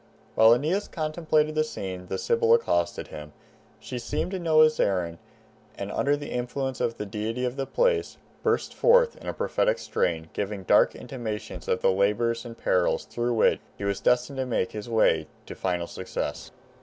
While Aeneas contemplated the scene, the Sibyl accosted him. She seemed to know his errand, and under the influence of the deity of the place, burst forth in a prophetic strain, giving dark intimations of labors and perils through which he was destined to make his way to final success.